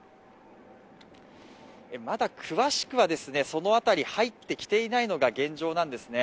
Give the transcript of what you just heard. まだ詳しくはその辺り入ってきていないのが現状なんですね。